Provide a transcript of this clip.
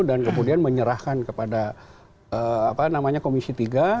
dan kemudian menyerahkan kepada apa namanya komisi tiga